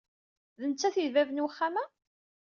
D nettat i d bab n wexxam-a?